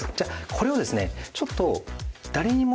これをですねちょっと。